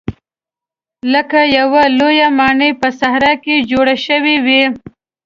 لکه یوه لویه ماڼۍ په صحرا کې جوړه شوې وي.